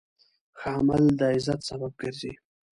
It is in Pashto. ښه عمل د عزت سبب ګرځي.